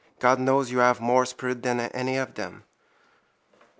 God knows you have more spirit than any of them.